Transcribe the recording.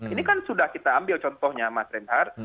ini kan sudah kita ambil contohnya mas reinhardt